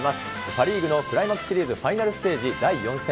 パ・リーグのクライマックスシリーズファイナルステージ第４戦。